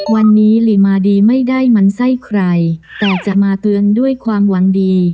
วันนี้หลีมาดีไม่ได้มันไส้ใครแต่จะมาเตือนด้วยความหวังดี